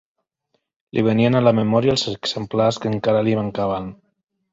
Li venien a la memòria els exemplars que encara li mancaven